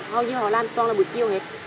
hầu như họ làm toàn là buổi chiều hết